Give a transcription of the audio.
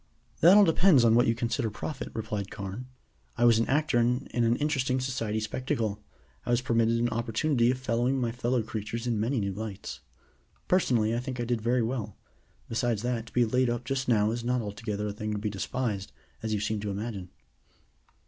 "That all depends upon what you consider profit," replied Carne. "I was an actor in an interesting Society spectacle. I was permitted an opportunity of observing my fellow creatures in many new lights. Personally, I think I did very well. Besides that, to be laid up just now is not altogether a thing to be despised, as you seem to imagine."